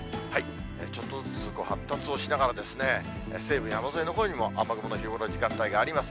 ちょっとずつ発達をしながら、西部、山沿いのほうにも雨雲の広がる時間帯があります。